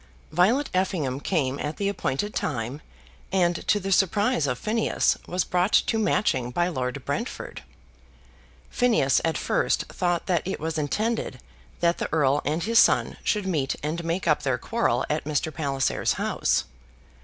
Violet Effingham came at the appointed time, and, to the surprise of Phineas, was brought to Matching by Lord Brentford. Phineas at first thought that it was intended that the Earl and his son should meet and make up their quarrel at Mr. Palliser's house.